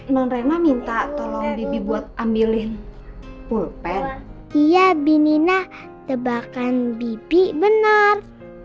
norma minta tolong bibi buat ambilin pulpen kia binina tebakan bibi benar